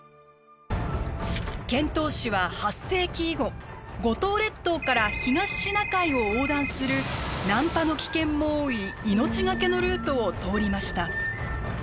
遣唐使は８世紀以後五島列島から東シナ海を横断する難破の危険も多い命がけのルートを通りました。